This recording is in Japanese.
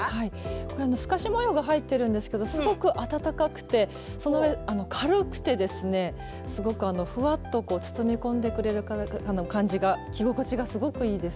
これ透かし模様が入ってるんですけどすごく暖かくてその上軽くてですねすごくふわっと包み込んでくれる感じが着心地がすごくいいです。